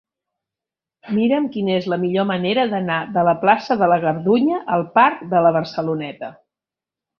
Mira'm quina és la millor manera d'anar de la plaça de la Gardunya al parc de la Barceloneta.